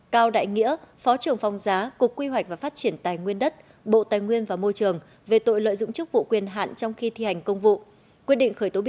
cao đại nghĩa phó trưởng phòng giá cục quy hoạch và phát triển tài nguyên đất bộ tài nguyên và môi trường về tội lợi dụng chức vụ quyền hạn trong khi thi hành công vụ